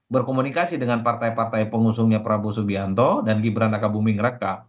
berkomunikasi dengan partai partai pengusungnya prabowo subianto dan gibran nakabumi ngeraka